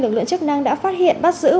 lực lượng chức năng đã phát hiện bắt giữ